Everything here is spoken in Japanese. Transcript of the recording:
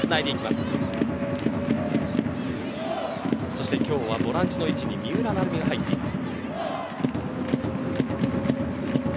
そして、今日はボランチの位置に三浦が入っています。